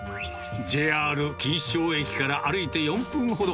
ＪＲ錦糸町駅から歩いて４分ほど。